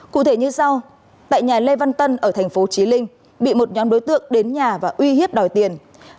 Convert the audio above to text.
cụ thể như sau tại nhà lê văn tân ở tp chí linh bị một nhóm đối tượng đến nhà và uy hiếp đòi tiền